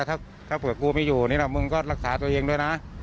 ถ้าเผื่อกูไม่อยู่นี่นะมึงก็รักษาตัวเองด้วยนะ